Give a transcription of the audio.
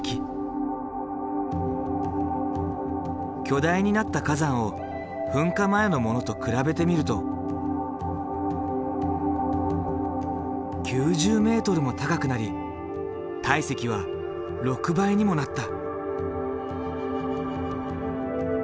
巨大になった火山を噴火前のものと比べてみると９０ｍも高くなり体積は６倍にもなった。